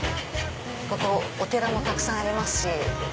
ここお寺もたくさんありますし。